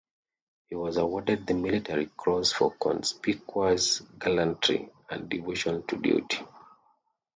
He was awarded the Military Cross for conspicuous gallantry and devotion to duty.